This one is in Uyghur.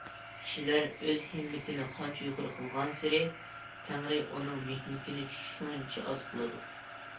كىشىلەر ئۆز ھىممىتىنى قانچە يۇقىرى قىلغانسېرى، تەڭرى ئۇنىڭ مېھنىتىنى شۇنچە ئاز قىلىدۇ.